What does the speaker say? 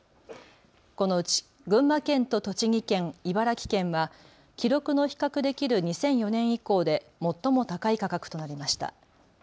このうち群馬県と栃木県、茨城県は記録の比較できる２００４年以降で最も高い価格となりました。